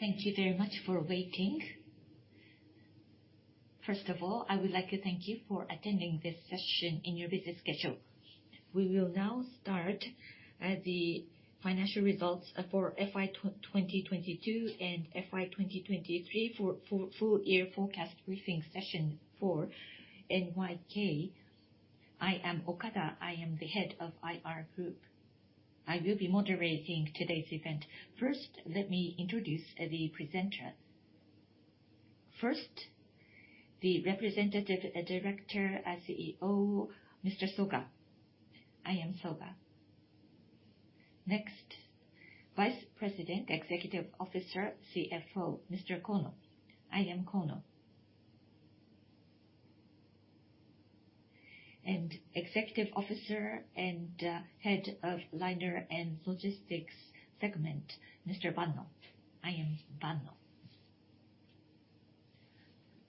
Thank you very much for waiting. First of all, I would like to thank you for attending this session in your busy schedule. We will now start the financial results for FY 2022 and FY 2023 for full year forecast briefing session for NYK. I am Okada, I am the Head of IR Group. I will be moderating today's event. First, let me introduce the presenters. First, the Representative Director and CEO, M r. Soga. I am Soga. Next, Vice President, Executive Officer, CFO, Mr. Kono. I am Kono. Executive Officer and Head of Liner & Logistics segment, Mr. Banno. I am Banno.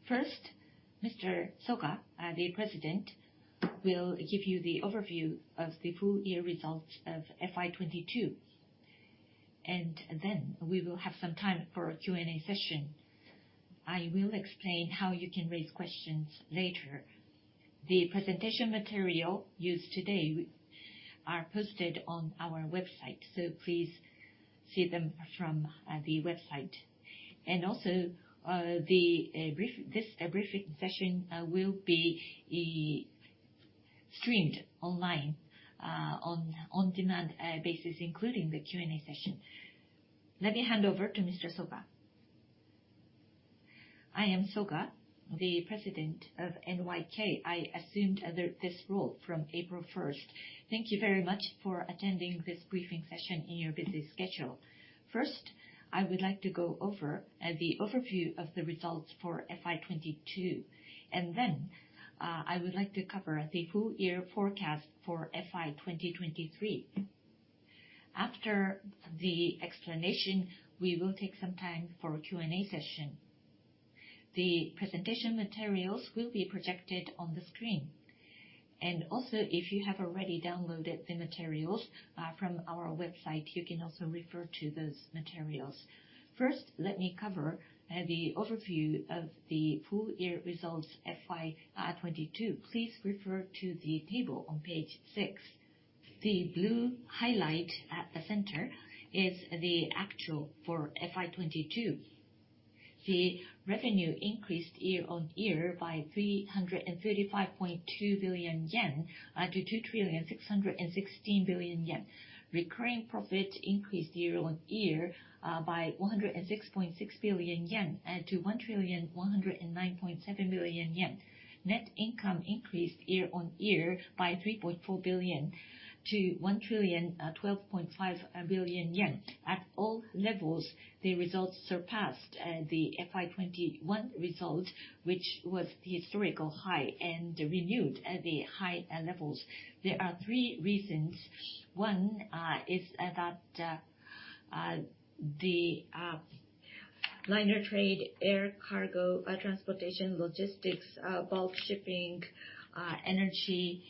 First, Mr. Soga, the President, will give you the overview of the full year results of FY 2022. We will have some time for Q&A session. I will explain how you can raise questions later. The presentation material used today are posted on our website, please see them from the website. Also, this briefing session will be streamed online on on-demand basis, including the Q&A session. Let me hand over to Mr. Soga. I am Soga, the President of NYK. I assumed this role from April first. Thank you very much for attending this briefing session in your busy schedule. First, I would like to go over the overview of the results for FY 2022, then I would like to cover the full year forecast for FY 2023. After the explanation, we will take some time for Q&A session. The presentation materials will be projected on the screen. Also, if you have already downloaded the materials from our website, you can also refer to those materials. First, let me cover the overview of the full year results FY 2022. Please refer to the table on page 6. The blue highlight at the center is the actual for FY 2022. The revenue increased year-on-year by 335.2 billion yen to 2,616 billion yen. Recurring profit increased year-on-year by 106.6 billion yen to 1,109.7 billion yen. Net income increased year-on-year by 3.4 billion to 1,012.5 billion yen. At all levels, the results surpassed the FY 2021 result, which was the historical high and renewed at the high levels. There are three reasons. One is that the Liner Trade, air cargo, transportation, logistics, bulk shipping, energy,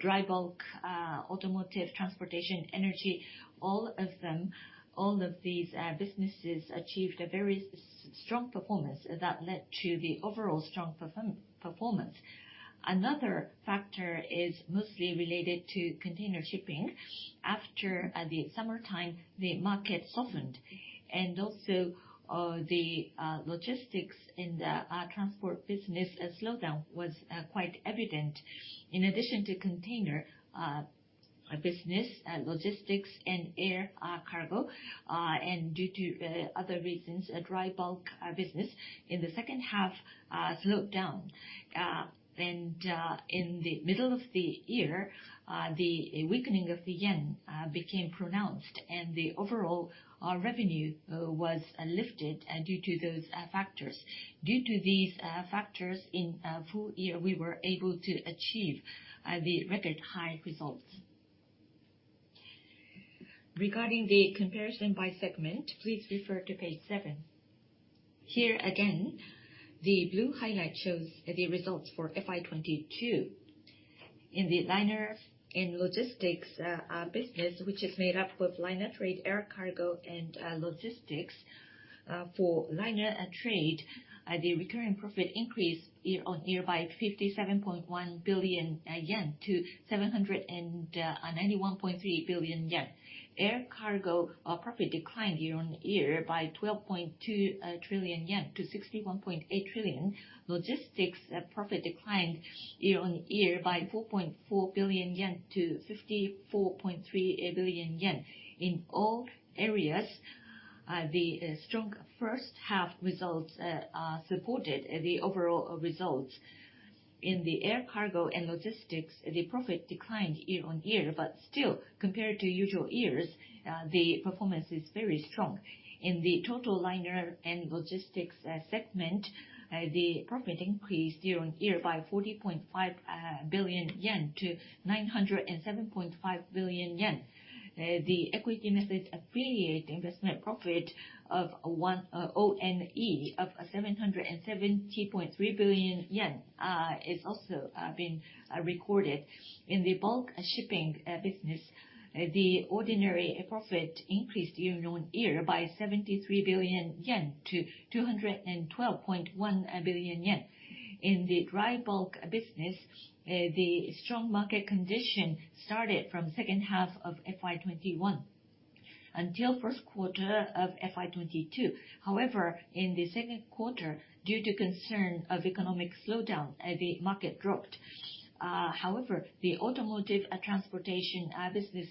dry bulk, automotive, transportation, energy, all of these businesses achieved a very strong performance that led to the overall strong performance. Another factor is mostly related to container shipping. After the summertime, the market softened. Also, the logistics in the transport business slowdown was quite evident. In addition to container business, logistics and air cargo, and due to other reasons, dry bulk business in the second half slowed down. In the middle of the year, the weakening of the yen became pronounced and the overall revenue was lifted due to those factors. Due to these factors in full year, we were able to achieve the record high results. Regarding the comparison by segment, please refer to page 7. Here again, the blue highlight shows the results for FY 2022. In the Liner & Logistics business, which is made up of Liner Trade, air cargo, and logistics. For Liner Trade, the recurring profit increased year-on-year by 57.1 billion yen to 791.3 billion yen. Air cargo profit declined year-on-year by 12.2 trillion yen to 61.8 trillion. Logistics profit declined year-on-year by 4.4 billion yen to 54.3 billion yen. In all areas, the strong first half results supported the overall results. In the air cargo and logistics, the profit declined year-over-year. Still, compared to usual years, the performance is very strong. In the total liner and logistics segment, the profit increased year-over-year by 40.5 billion yen to 907.5 billion yen. The equity method affiliate investment profit of ONE of 770.3 billion yen is also been recorded. In the bulk shipping business, the ordinary profit increased year-over-year by 73 billion yen to 212.1 billion yen. In the dry bulk business, the strong market condition started from second half of FY 2021. Until first quarter of FY22. The second quarter, due to concern of economic slowdown, the market dropped. The automotive transportation business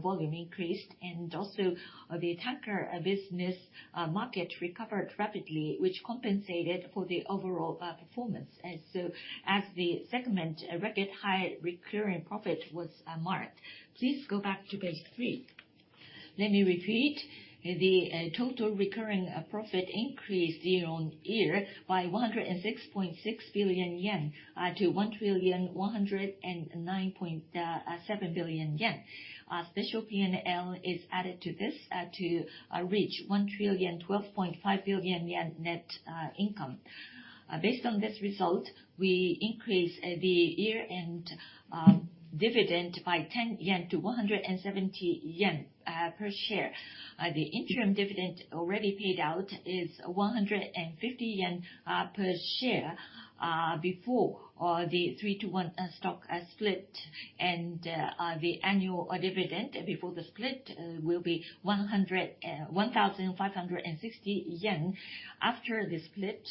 volume increased, and also the tanker business market recovered rapidly, which compensated for the overall performance. As the segment record high recurring profit was marked. Please go back to page three. Let me repeat. The total recurring profit increased year on year by 106.6 billion yen to 1,109.7 billion yen. Special PNL is added to this to reach 1,012.5 billion yen net income. Based on this result, we increase the year-end dividend by 10 yen to 170 yen per share. The interim dividend already paid out is 150 yen per share before the 3-to-1 stock split. The annual dividend before the split will be 1,560 yen. After the split,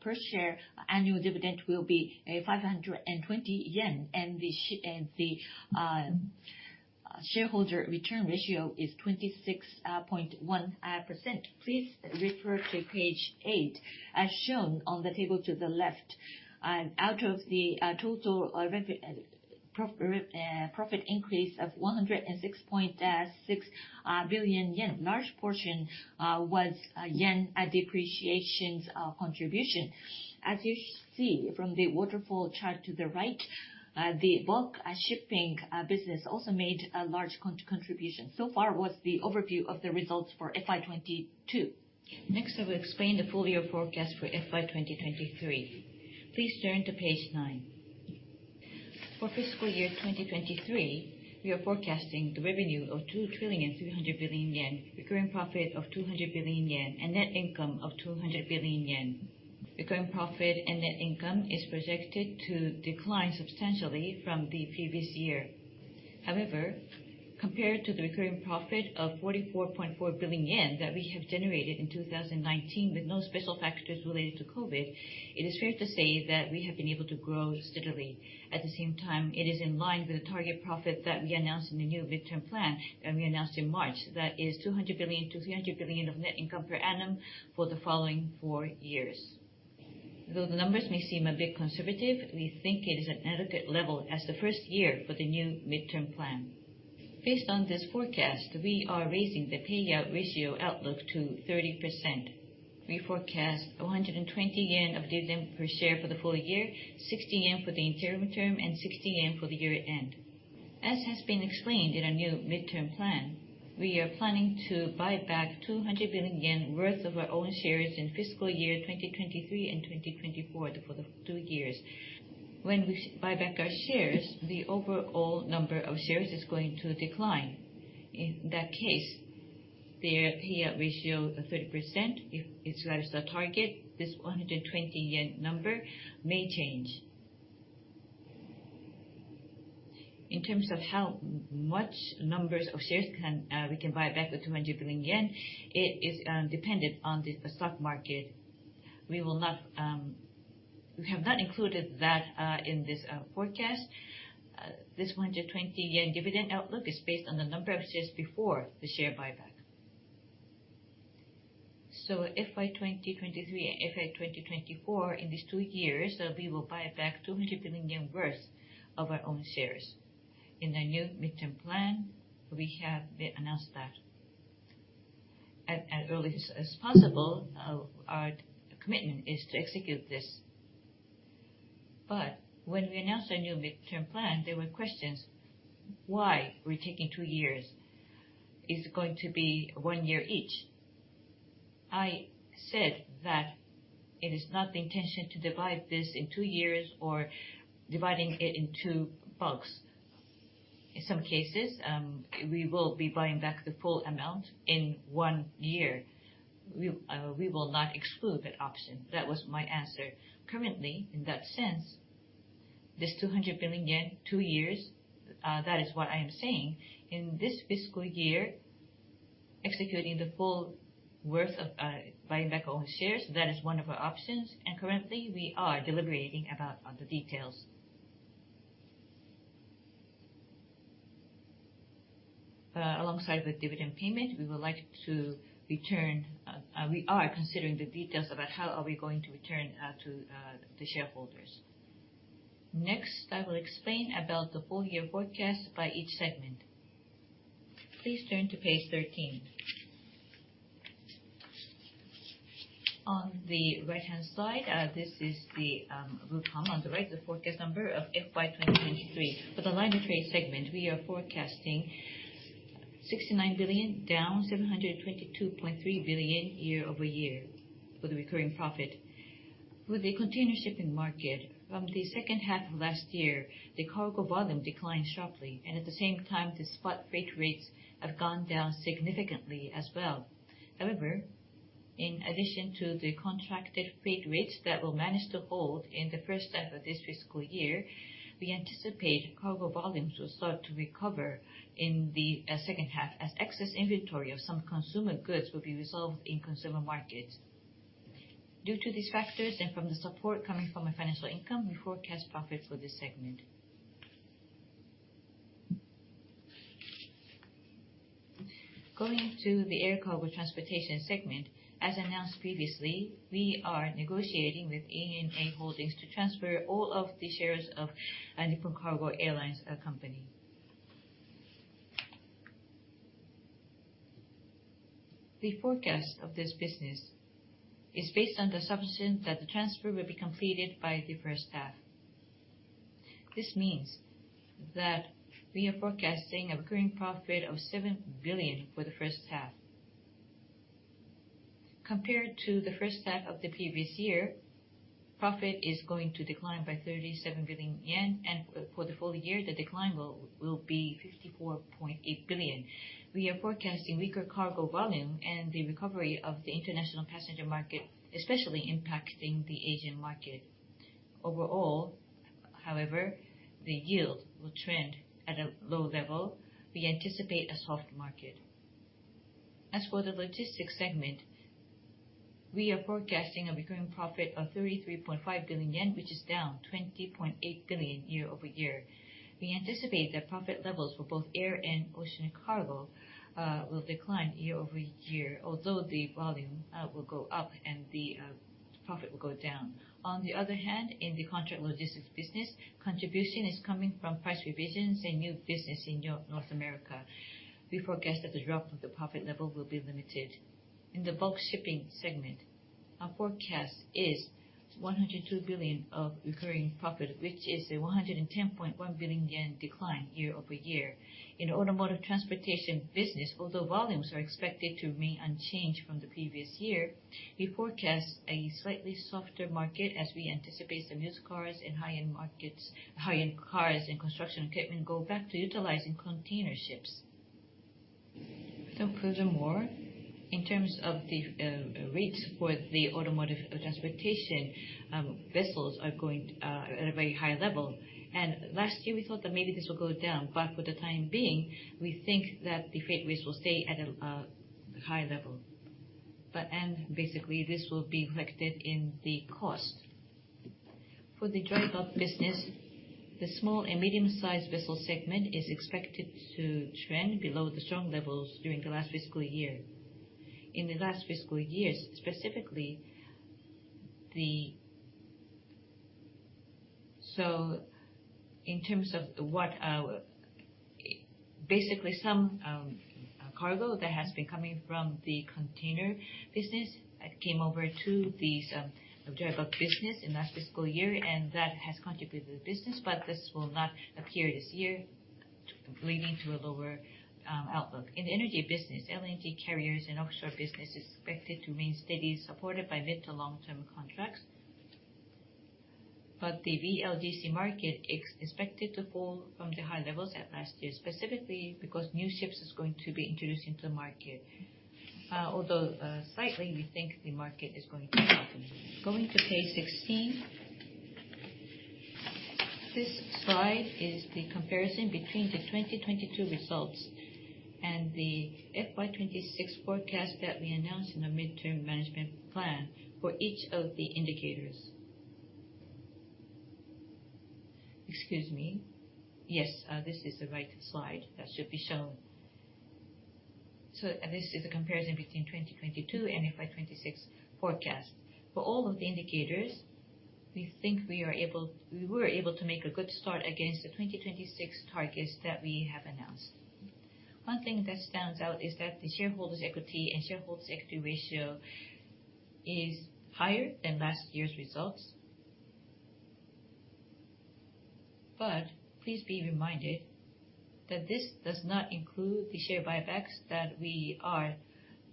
per share annual dividend will be 520 yen. The shareholder return ratio is 26.1%. Please refer to page 8. As shown on the table to the left, out of the total profit increase of 106.6 billion yen, large portion was yen depreciation's contribution. As you see from the waterfall chart to the right, the bulk shipping business also made a large contribution. Far was the overview of the results for FY22. Next, I will explain the full year forecast for FY 2023. Please turn to page 9. For fiscal year 2023, we are forecasting the revenue of 2,300 billion yen, recurring profit of 200 billion yen, and net income of 200 billion yen. Recurring profit and net income is projected to decline substantially from the previous year. Compared to the recurring profit of 44.4 billion yen that we have generated in 2019 with no special factors related to COVID, it is fair to say that we have been able to grow steadily. At the same time, it is in line with the target profit that we announced in the new midterm plan. We announced in March that is 200 billion-300 billion of net income per annum for the following 4 years. The numbers may seem a bit conservative, we think it is an adequate level as the first year for the new midterm plan. Based on this forecast, we are raising the payout ratio outlook to 30%. We forecast 120 yen of dividend per share for the full year, 60 yen for the interim term, and 60 yen for the year-end. As has been explained in our new midterm plan, we are planning to buy back 200 billion yen worth of our own shares in fiscal year 2023 and 2024, for the two years. When we buy back our shares, the overall number of shares is going to decline. In that case, the payout ratio of 30% is as the target. This 120 yen number may change. In terms of how much numbers of shares we can buy back with 200 billion yen, it is dependent on the stock market. We have not included that in this forecast. This 120 yen dividend outlook is based on the number of shares before the share buyback. FY 2023 and FY 2024, in these 2 years, we will buy back 200 billion worth of our own shares. In the new midterm plan, we have announced that. At early as possible, our commitment is to execute this. When we announced our new midterm plan, there were questions why we're taking two years. It's going to be one year each. I said that it is not the intention to divide this in two years or dividing it in two bulks. In some cases, we will be buying back the full amount in one year. We will not exclude that option. That was my answer. Currently, in that sense, this 200 billion yen, two years, that is what I am saying. In this fiscal year, executing the full worth of buying back our own shares, that is one of our options, and currently we are deliberating about the details. Alongside the dividend payment, we would like to return, we are considering the details about how are we going to return to the shareholders. Next, I will explain about the full year forecast by each segment. Please turn to page 13. On the right-hand side, this is the blue column on the right, the forecast number of FY 2023. For the Liner Trade segment, we are forecasting 69 billion, down 722.3 billion year-over-year for the recurring profit. With the containership in market, from the second half of last year, the cargo volume declined sharply. At the same time, the spot freight rates have gone down significantly as well. In addition to the contracted freight rates that will manage to hold in the first half of this fiscal year, we anticipate cargo volumes will start to recover in the second half as excess inventory of some consumer goods will be resolved in consumer markets. Due to these factors and from the support coming from a financial income, we forecast profit for this segment. Going to the air cargo transportation segment, as announced previously, we are negotiating with ANA Holdings to transfer all of the shares of Nippon Cargo Airlines Company. The forecast of this business is based on the assumption that the transfer will be completed by the first half. This means that we are forecasting a recurring profit of 7 billion for the first half. Compared to the first half of the previous year, profit is going to decline by 37 billion yen, and for the full year, the decline will be 54.8 billion. We are forecasting weaker cargo volume and the recovery of the international passenger market, especially impacting the Asian market. Overall, however, the yield will trend at a low level. We anticipate a soft market. As for the logistics segment, we are forecasting a recurring profit of 33.5 billion yen, which is down 20.8 billion year-over-year. We anticipate that profit levels for both air and ocean cargo will decline year-over-year, although the volume will go up and the profit will go down. On the other hand, in the contract logistics business, contribution is coming from price revisions and new business in North America. We forecast that the drop of the profit level will be limited. In the bulk shipping segment, our forecast is 102 billion of recurring profit, which is a 110.1 billion yen decline year-over-year. In automotive transportation business, although volumes are expected to remain unchanged from the previous year, we forecast a slightly softer market as we anticipate the used cars in high-end markets, high-end cars and construction equipment go back to utilizing container ships. Furthermore, in terms of the rates for the automotive transportation, vessels are going at a very high level. Last year, we thought that maybe this will go down, but for the time being, we think that the freight rates will stay at a high level. Basically this will be reflected in the cost. For the dry bulk business, the small and medium-sized vessel segment is expected to trend below the strong levels during the last fiscal year. In the last fiscal years, specifically the... In terms of what, basically some cargo that has been coming from the container business came over to this dry bulk business in last fiscal year, and that has contributed to the business, but this will not appear this year, leading to a lower outlook. In energy business, LNG carriers and offshore business is expected to remain steady, supported by mid to long-term contracts. The VLGC market expected to fall from the high levels at last year, specifically because new ships is going to be introduced into the market. Although, slightly, we think the market is going to happen. Going to page 16. This slide is the comparison between the 2022 results and the FY 2026 forecast that we announced in the midterm management plan for each of the indicators. Excuse me. Yes, this is the right slide that should be shown. This is a comparison between 2022 and FY 26 forecast. For all of the indicators, we think we were able to make a good start against the 2026 targets that we have announced. One thing that stands out is that the shareholders equity and shareholders equity ratio is higher than last year's results. Please be reminded that this does not include the share buybacks that we are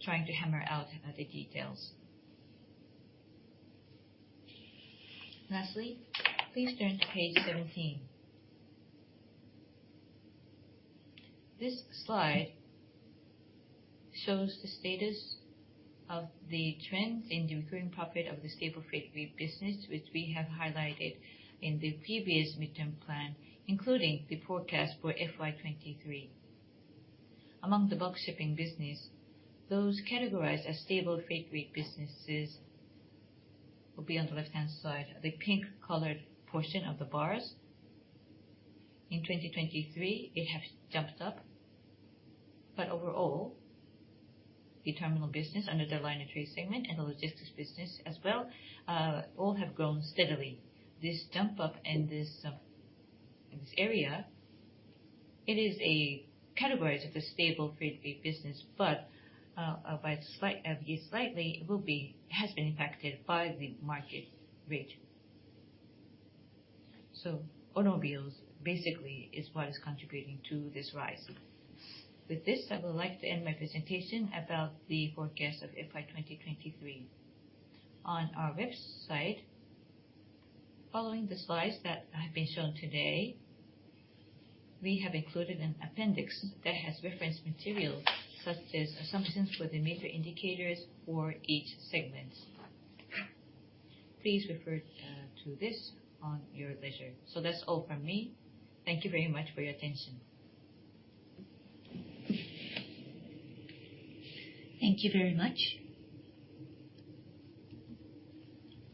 trying to hammer out the details. Lastly, please turn to page 17. This slide shows the status of the trends in the recurring profit of the Stable Freight Rate Business, which we have highlighted in the previous midterm plan, including the forecast for FY 23. Among the bulk shipping business, those categorized as stable freight rate businesses will be on the left-hand side, the pink colored portion of the bars. In 2023, it has jumped up. Overall, the terminal business under the Liner Trade segment and the logistics business as well, all have grown steadily. This jump up in this area, it is a categories of a stable freight rate business, but by slight, slightly, has been impacted by the market rate. Automobiles basically is what is contributing to this rise. With this, I would like to end my presentation about the forecast of FY 2023. On our website- Following the slides that have been shown today, we have included an appendix that has reference material, such as assumptions for the major indicators for each segment. Please refer to this on your leisure. That's all from me. Thank you very much for your attention. Thank you very much.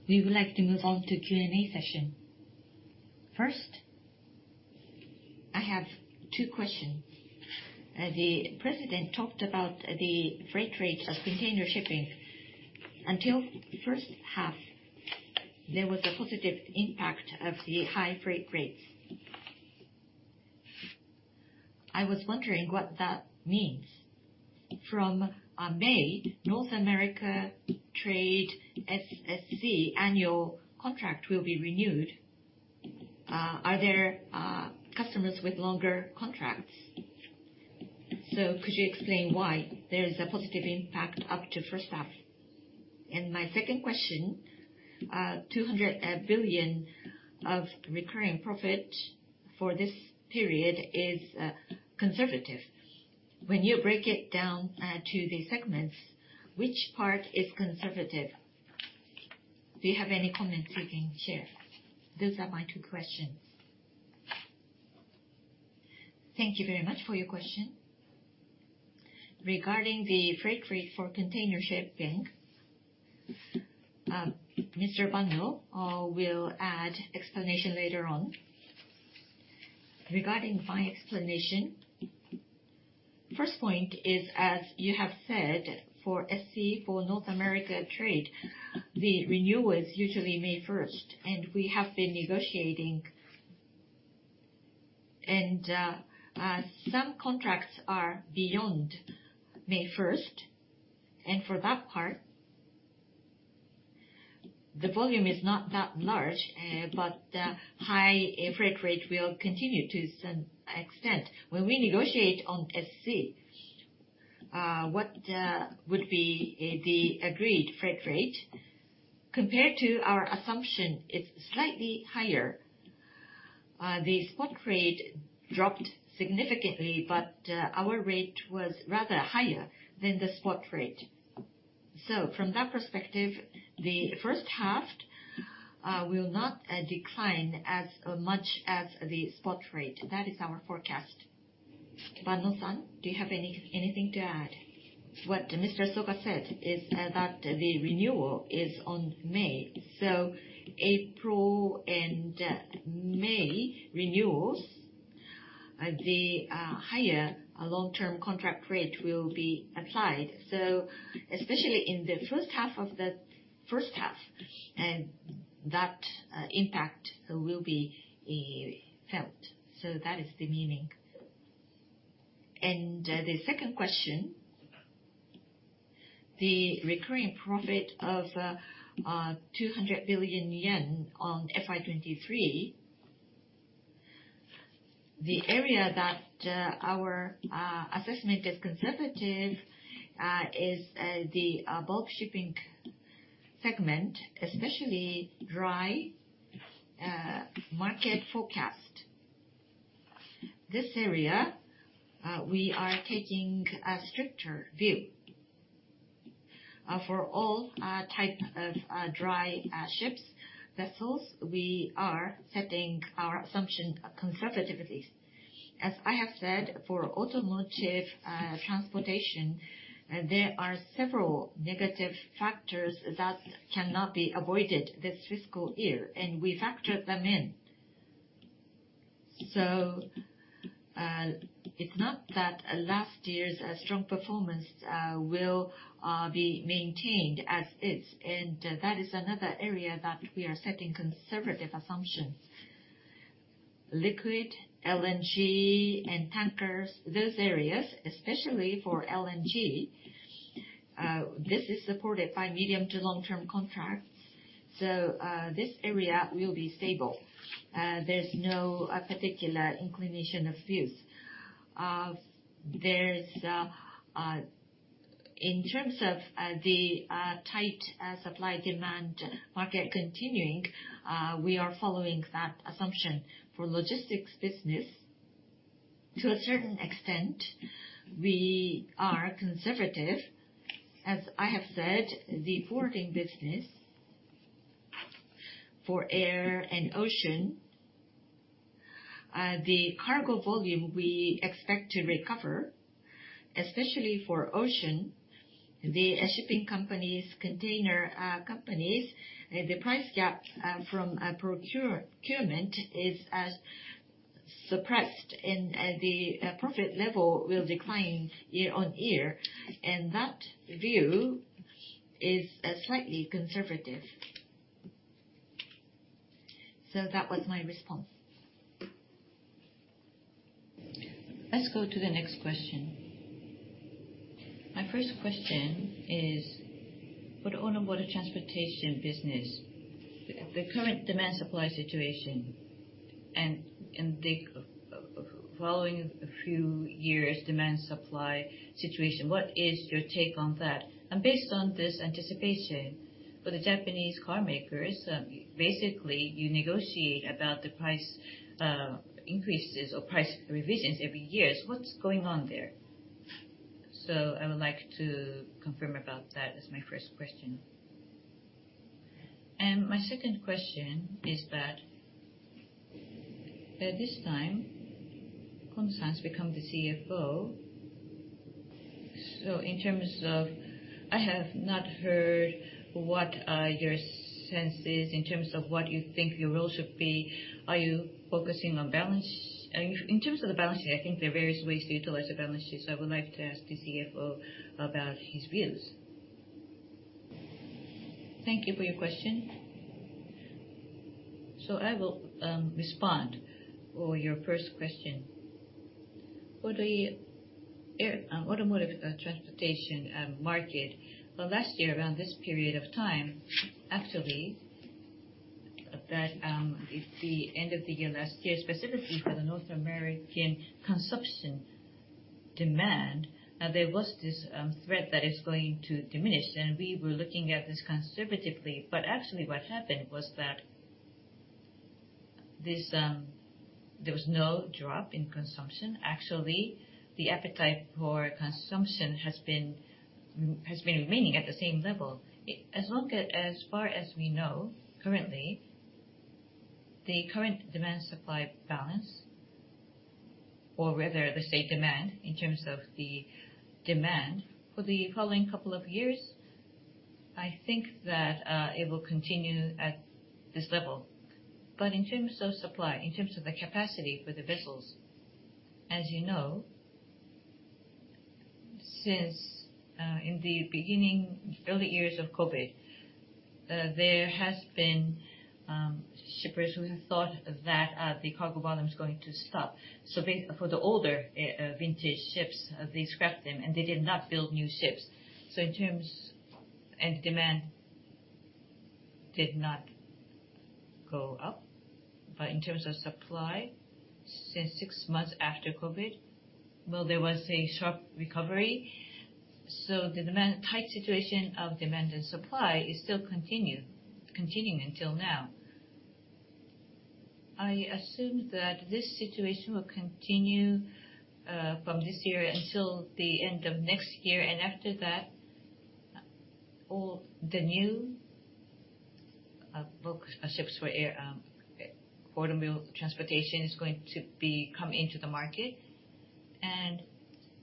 We would like to move on to Q&A session. First, I have two question. The president talked about the freight rate of container shipping. Until the first half, there was a positive impact of the high freight rates. I was wondering what that means. From May, North America trade SC annual contract will be renewed. Are there customers with longer contracts? Could you explain why there is a positive impact up to first half? My second question, 200 billion of recurring profit for this period is conservative. When you break it down to the segments, which part is conservative? Do you have any comments you can share? Those are my two questions. Thank you very much for your question. Regarding the freight rate for container shipping, Mr. Banno will add explanation later on. Regarding my explanation, first point is, as you have said, for SC, for North America trade, the renewal is usually May first, and we have been negotiating. Some contracts are beyond May first, and for that part, the volume is not that large, but the high air freight rate will continue to some extent. When we negotiate on SC, what would be the agreed freight rate, compared to our assumption, it's slightly higher. The spot rate dropped significantly, but our rate was rather higher than the spot rate. From that perspective, the first half will not decline as much as the spot rate. That is our forecast. Banno-san, do you have anything to add? What Mr. Soga said is that the renewal is on May. April and May renewals, the higher long-term contract rate will be applied. Especially in the first half of the first half, and that impact will be felt. That is the meaning. The second question, the recurring profit of 200 billion yen on FY 2023, the area that our assessment is conservative is the bulk shipping segment, especially dry market forecast. This area, we are taking a stricter view. For all type of dry ships, vessels, we are setting our assumption conservatively. As I have said, for automotive transportation, there are several negative factors that cannot be avoided this fiscal year, and we factored them in. It's not that last year's strong performance will be maintained as is, and that is another area that we are setting conservative assumptions. Liquid, LNG and tankers, those areas, especially for LNG, this is supported by medium to long-term contracts, this area will be stable. There's no particular inclination of views. There is, in terms of, the tight supply-demand market continuing, we are following that assumption. For logistics business, to a certain extent, we are conservative. As I have said, the forwarding business for air and ocean, the cargo volume we expect to recover, especially for ocean, the shipping companies, container companies, the price gap from procurement is suppressed and the profit level will decline year-over-year, and that view is slightly conservative. That was my response. Let's go to the next question. My first question is for the automotive transportation business. The current demand supply situation- The following a few years demand-supply situation, what is your take on that? Based on this anticipation for the Japanese car makers, basically you negotiate about the price increases or price revisions every years. What's going on there? I would like to confirm about that as my first question. My second question is that, at this time, Kono has become the CFO. I have not heard what your sense is in terms of what you think your role should be. Are you focusing on balance? In terms of the balance sheet, I think there are various ways to utilize the balance sheet, I would like to ask the CFO about his views. Thank you for your question. I will respond for your first question. For the air, automotive, transportation market, well, last year around this period of time, actually, that the end of the year last year, specifically for the North American consumption demand, there was this threat that it's going to diminish, and we were looking at this conservatively. Actually, what happened was that this there was no drop in consumption. Actually, the appetite for consumption has been remaining at the same level. As long as far as we know, currently, the current demand-supply balance, or rather the state demand in terms of the demand for the following couple of years, I think that it will continue at this level. In terms of supply, in terms of the capacity for the vessels, as you know, since in the beginning, early years of COVID, there has been shippers who thought that the cargo bottom is going to stop. For the older vintage ships, they scrap them, and they did not build new ships. Demand did not go up. In terms of supply, since 6 months after COVID, there was a sharp recovery. The demand-tight situation of demand and supply is still continuing until now. I assume that this situation will continue from this year until the end of next year. After that, all the new bulk ships for air automobile transportation is going to be come into the market.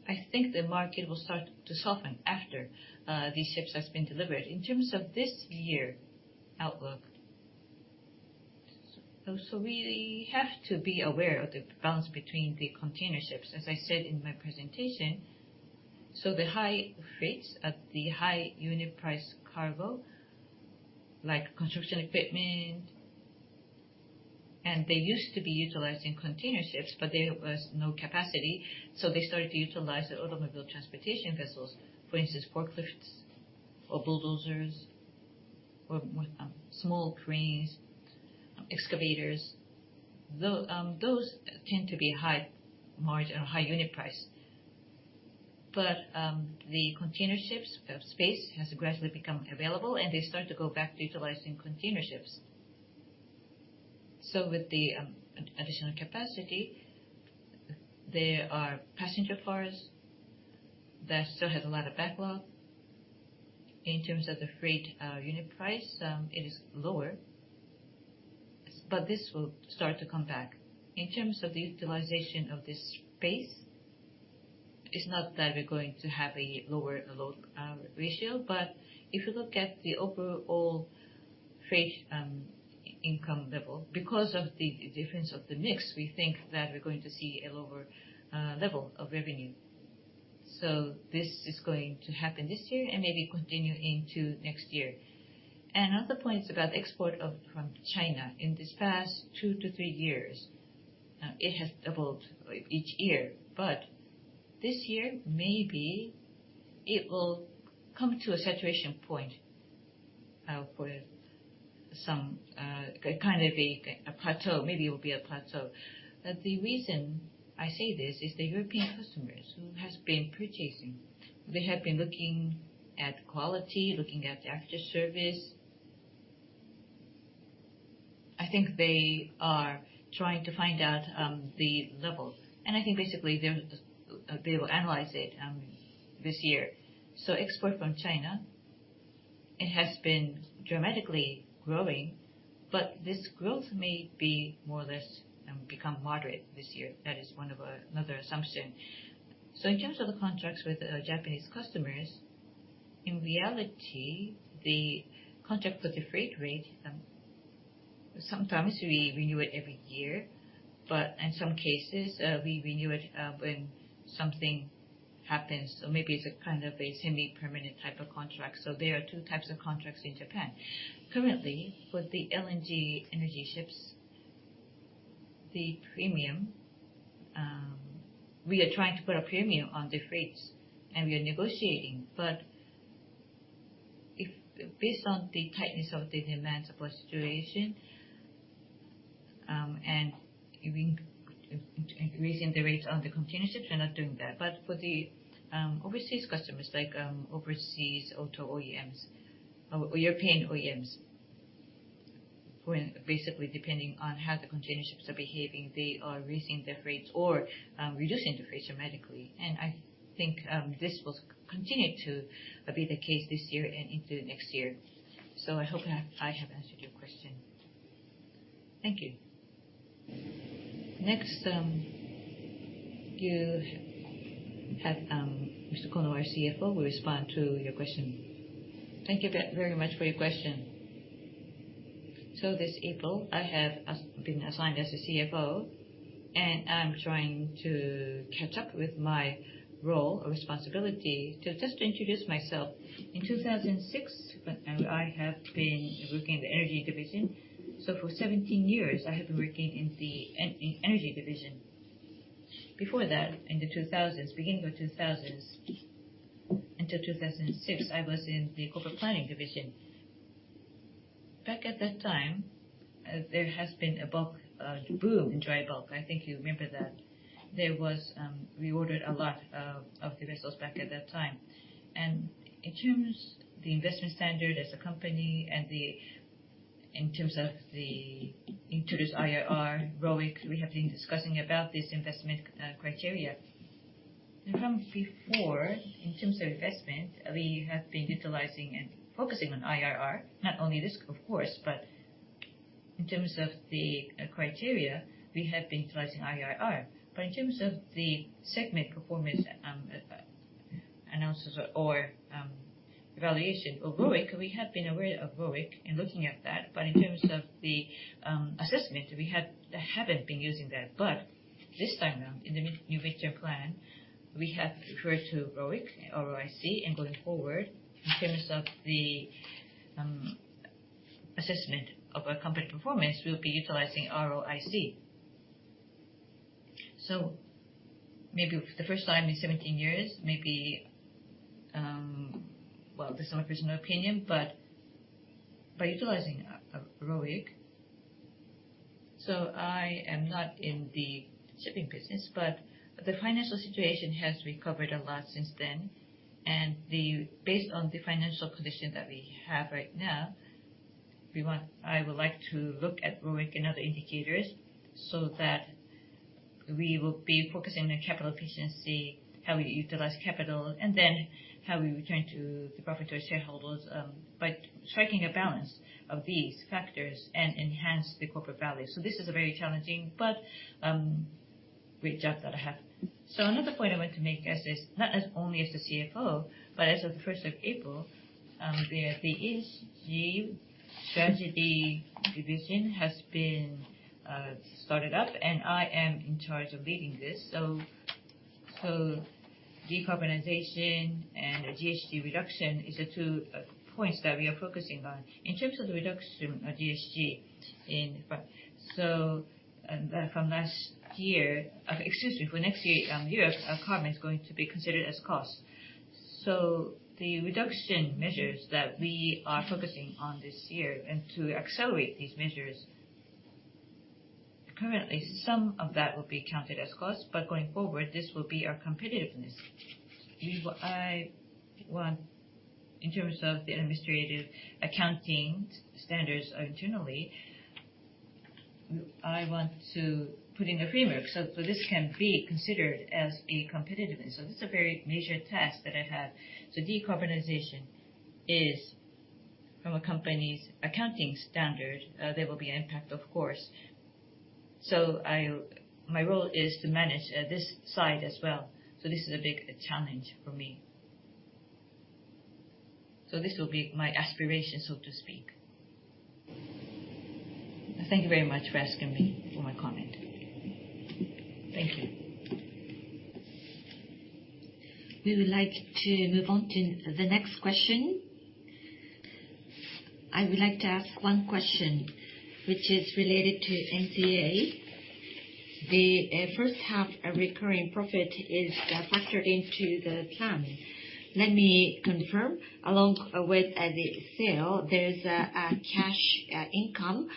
I think the market will start to soften after these ships has been delivered. In terms of this year outlook, we have to be aware of the balance between the container ships, as I said in my presentation. The high rates at the high unit price cargo, like construction equipment, and they used to be utilized in container ships, but there was no capacity, so they started to utilize the automobile transportation vessels. For instance, forklifts or bulldozers or small cranes, excavators. Those tend to be high margin or high unit price. The container ships, the space has gradually become available, and they start to go back to utilizing container ships. With the additional capacity, there are passenger cars that still have a lot of backlog. In terms of the freight unit price, it is lower, but this will start to come back. In terms of the utilization of this space, it's not that we're going to have a lower load ratio, but if you look at the overall freight income level, because of the difference of the mix, we think that we're going to see a lower level of revenue. This is going to happen this year and maybe continue into next year. Other points about export of, from China. In this past 2-3 years, it has doubled, like, each year. This year, maybe it will come to a saturation point for some kind of a plateau. Maybe it will be a plateau. The reason I say this is the European customers who has been purchasing, they have been looking at quality, looking at after service. I think they are trying to find out the level, and I think basically they will analyze it this year. Export from China, it has been dramatically growing, but this growth may be more or less become moderate this year. That is one of another assumption. In terms of the contracts with Japanese customers, in reality, the contract with the freight rate, sometimes we renew it every year, but in some cases, we renew it when something happens. Maybe it's a kind of a semi-permanent type of contract. There are two types of contracts in Japan. Currently, with the LNG energy ships, We are trying to put a premium on the freights, and we are negotiating. Based on the tightness of the demand support situation, and giving increasing the rates on the container ships, we're not doing that. For the overseas customers, like overseas auto OEMs or European OEMs, when basically depending on how the container ships are behaving, they are raising their rates or reducing the rates dramatically. I think this will continue to be the case this year and into next year. I hope I have answered your question. Thank you. Next, you have Mr. Kono, our CFO, will respond to your question. Thank you very much for your question. This April, I have been assigned as a CFO, and I'm trying to catch up with my role or responsibility. To just introduce myself, in 2006, when I have been working in the energy division, so for 17 years I have been working in the energy division. Before that, in the 2000s, beginning of 2000s until 2006, I was in the corporate planning division. Back at that time, there has been a bulk boom in dry bulk. I think you remember that. There was. We ordered a lot of the vessels back at that time. In terms the investment standard as a company and in terms of the IRR, ROIC, we have been discussing about this investment criteria. From before, in terms of investment, we have been utilizing and focusing on IRR. Not only this of course, but in terms of the criteria, we have been utilizing IRR. In terms of the segment performance, analysis or evaluation of ROIC, we have been aware of ROIC and looking at that. In terms of the assessment, we haven't been using that. This time around, in the mid new midterm plan, we have referred to ROIC, R-O-I-C, and going forward, in terms of the assessment of our company performance, we'll be utilizing ROIC. Maybe the first time in 17 years, maybe. Well, this is my personal opinion, but by utilizing ROIC, so I am not in the shipping business, but the financial situation has recovered a lot since then. Based on the financial condition that we have right now, I would like to look at ROIC and other indicators so that we will be focusing on capital efficiency, how we utilize capital, and then how we return to the profit to our shareholders by striking a balance of these factors and enhance the corporate value. This is a very challenging but great job that I have. Another point I want to make as this, not as only as a CFO but as of first of April, the ESG Strategy division has been started up, and I am in charge of leading this. Decarbonization and GHG reduction is the two points that we are focusing on. In terms of the reduction of GHG from last year. Excuse me, for next year, Europe, our carbon is going to be considered as cost. The reduction measures that we are focusing on this year and to accelerate these measures, currently some of that will be counted as cost. Going forward, this will be our competitiveness. I want, in terms of the administrative accounting standards internally, I want to put in a framework so this can be considered as a competitiveness. This is a very major task that I have. Decarbonization is from a company's accounting standard, there will be impact, of course. My role is to manage this side as well. This is a big challenge for me. This will be my aspiration, so to speak. Thank you very much for asking me, for my comment. Thank you. We would like to move on to the next question. I would like to ask one question, which is related to NCA. The first half recurring profit is factored into the plan. Let me confirm. Along with the sale, there's a cash income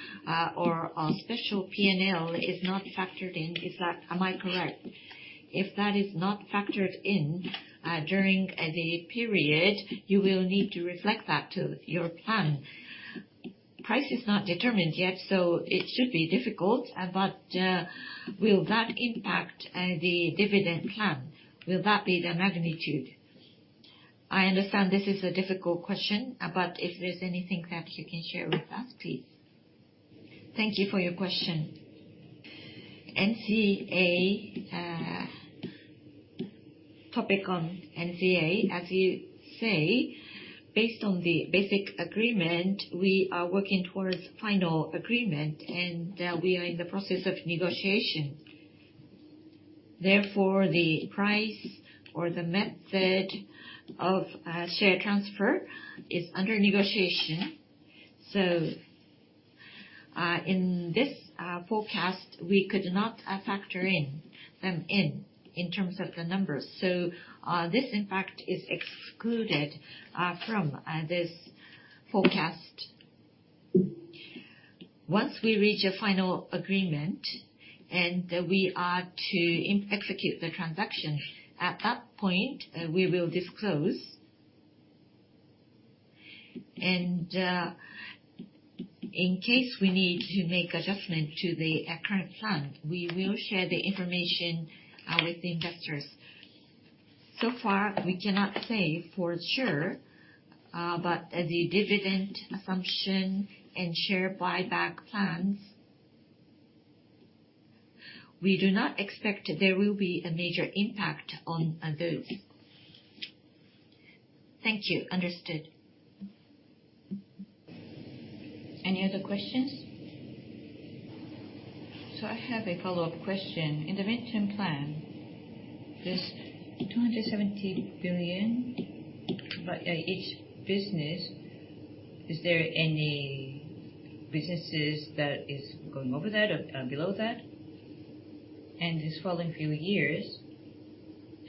or a special PNL is not factored in. Am I correct? If that is not factored in during the period, you will need to reflect that to your plan. Price is not determined yet, so it should be difficult. Will that impact the dividend plan? Will that be the magnitude? I understand this is a difficult question, but if there's anything that you can share with us, please. Thank you for your question. NCA, topic on NCA, as you say, based on the basic agreement, we are working towards final agreement, and we are in the process of negotiation. Therefore, the price or the method of share transfer is under negotiation. In this forecast, we could not factor in them in terms of the numbers. This, in fact, is excluded from this forecast. Once we reach a final agreement, and we are to execute the transaction, at that point, we will disclose. In case we need to make adjustment to the current plan, we will share the information with investors. So far, we cannot say for sure, but the dividend assumption and share buyback plans, we do not expect there will be a major impact on those. Thank you. Understood. Any other questions? I have a follow-up question. In the midterm plan, there's 270 billion. Each business, is there any businesses that is going over that or below that? This following few years,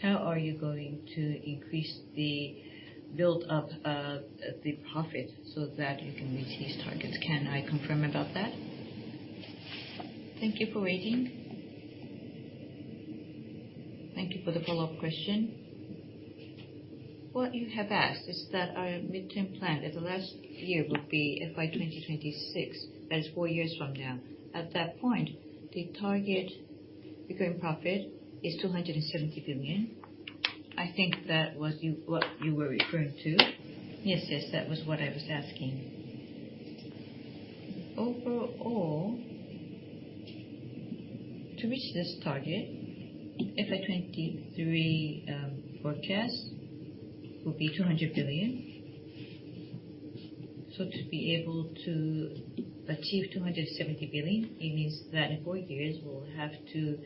how are you going to increase the build-up of the profit so that you can reach these targets? Can I confirm about that? Thank you for waiting. Thank you for the follow-up question. What you have asked is that our midterm plan of the last year would be FY 2026. That is 4 years from now. At that point, the target recurring profit is 270 billion. I think that was what you were referring to. Yes, that was what I was asking. Overall, to reach this target, FY 2023 forecast will be 200 billion. To be able to achieve 270 billion, it means that in 4 years we'll have to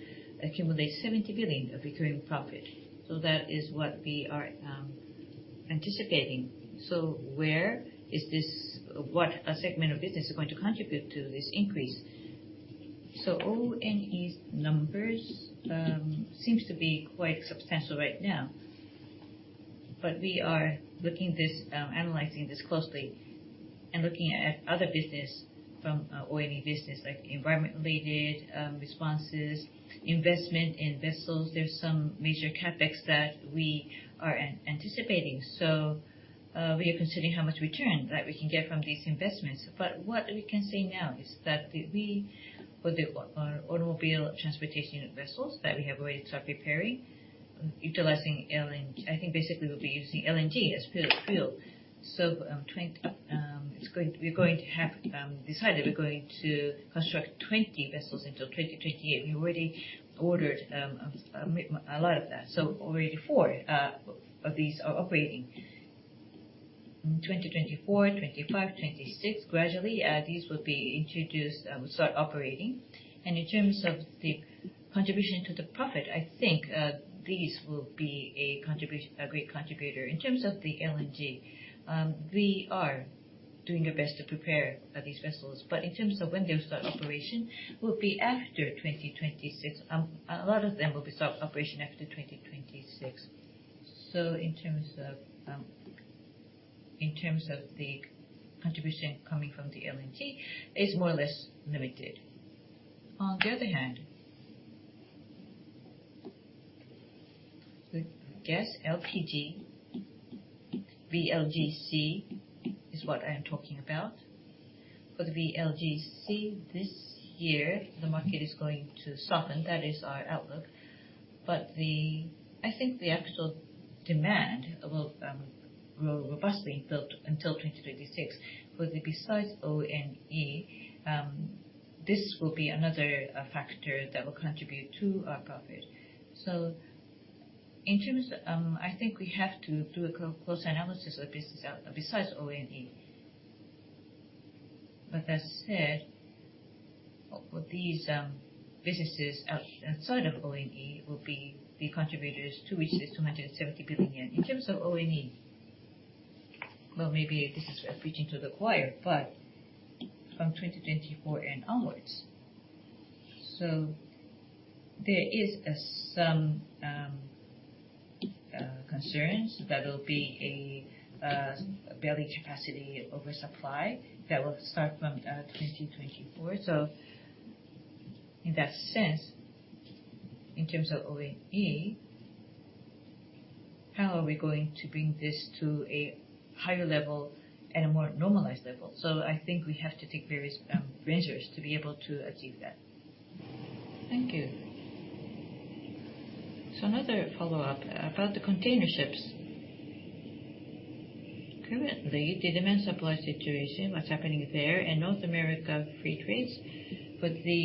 accumulate 70 billion of recurring profit. That is what we are anticipating. Where is What segment of business is going to contribute to this increase? ONE's numbers seems to be quite substantial right now. We are looking this, analyzing this closely and looking at other business from ONE business, like environment-related responses, investment in vessels. There's some major CapEx that we are anticipating. We are considering how much return that we can get from these investments. What we can say now is that we, with the automobile transportation vessels that we have already start preparing, utilizing I think basically we'll be using LNG as fuel. 20, we're going to have decided we're going to construct 20 vessels until 2028. We already ordered a lot of that, already 4 of these are operating. In 2024, 25, 26, gradually, these will be introduced, start operating. In terms of the contribution to the profit, I think, these will be a contribution, a great contributor. In terms of the LNG, we are doing our best to prepare these vessels, but in terms of when they'll start operation, will be after 2026. A lot of them will be start operation after 2026. In terms of, in terms of the contribution coming from the LNG, is more or less limited. On the other hand, the gas LPG, VLGC is what I am talking about. For the VLGC, this year, the market is going to soften. That is our outlook. I think the actual demand will robustly build until 2026. With the besides ONE, this will be another factor that will contribute to our profit. In terms, I think we have to do a close analysis of business besides ONE. As I said, with these businesses outside of ONE will be the contributors to reach this 270 billion yen. In terms of ONE, well, maybe this is preaching to the choir, from 2024 and onwards, there is as some concerns that will be a building capacity oversupply that will start from 2024. In that sense, in terms of ONE, how are we going to bring this to a higher level and a more normalized level? I think we have to take various measures to be able to achieve that. Thank you. Another follow-up about the container ships. Currently, the demand-supply situation, what's happening there in North America free trades. With the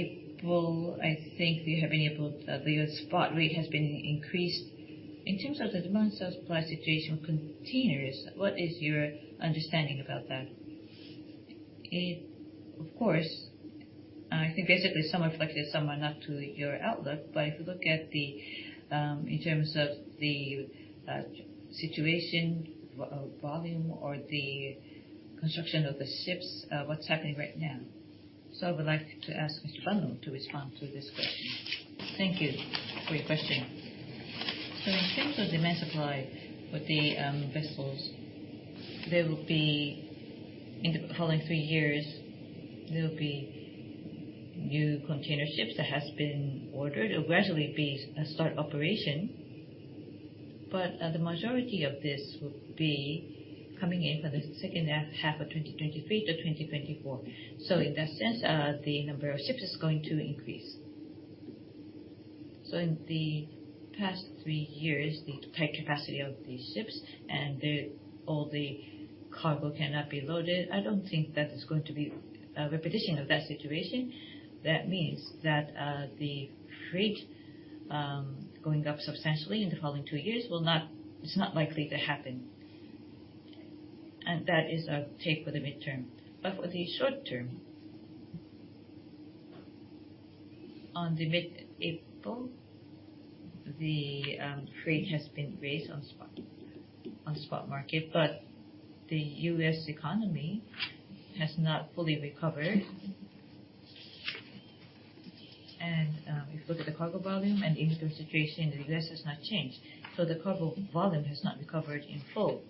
April, I think we have enabled, the spot rate has been increased. In terms of the demand-supply situation containers, what is your understanding about that? I think basically some reflected, some are not to your outlook. If you look at the, in terms of the situation, volume or the construction of the ships, what's happening right now. I would like to ask Mr. Banno to respond to this question. Thank you for your question. In terms of demand supply for the vessels, in the following three years, there will be new container ships that has been ordered. It will gradually start operation. The majority of this will be coming in for the second half of 2023 to 2024. In that sense, the number of ships is going to increase. In the past three years, the tight capacity of these ships and all the cargo cannot be loaded, I don't think that it's going to be a repetition of that situation. That means that the freight going up substantially in the following two years will not, it's not likely to happen. That is a take for the midterm. For the short term, on the mid-April, the freight has been raised on spot, on spot market, but the U.S. economy has not fully recovered. If you look at the cargo volume and inventory situation, this has not changed. The cargo volume has not recovered in full.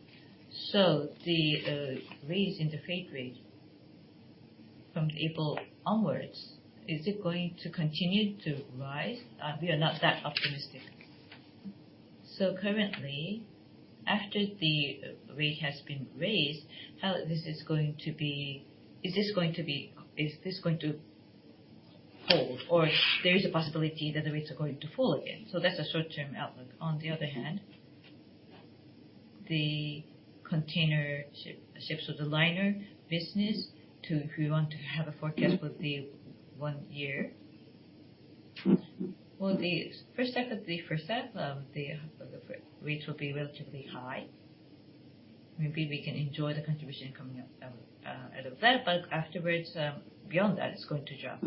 The raise in the freight rate from April onwards, is it going to continue to rise? We are not that optimistic. Currently, after the rate has been raised, how this is going to be? Is this going to hold or there is a possibility that the rates are going to fall again? That's a short-term outlook. On the other hand, the container ship, ships with the liner business if we want to have a forecast for the 1 year, well, the first half of the first half, the rates will be relatively high. Maybe we can enjoy the contribution coming out of that. Afterwards, beyond that, it's going to drop.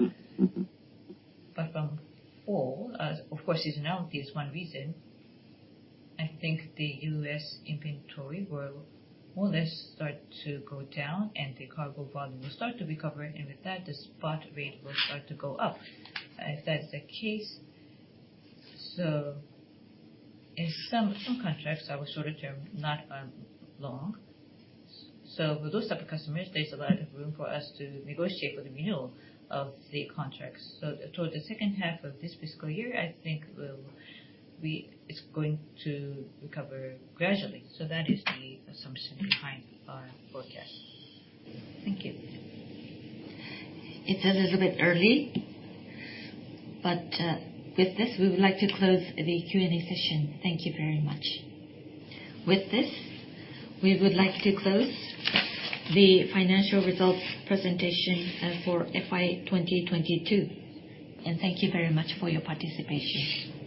From fall, of course, seasonality is 1 reason, I think the U.S. inventory will more or less start to go down, and the cargo volume will start to recover. With that, the spot rate will start to go up. If that's the case, in some contracts that were shorter-term, not long. With those type of customers, there's a lot of room for us to negotiate for the renewal of the contracts. Towards the second half of this fiscal year, I think it's going to recover gradually. That is the assumption behind our forecast. Thank you. It's a little bit early, but, with this, we would like to close the Q&A session. Thank you very much. With this, we would like to close the financial results presentation for FY 2022. Thank you very much for your participation.